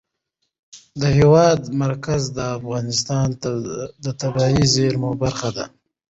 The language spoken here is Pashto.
د هېواد مرکز د افغانستان د طبیعي زیرمو برخه ده.